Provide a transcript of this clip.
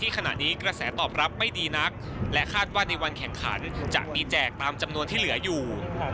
กับจำนวนที่เหลืออยู่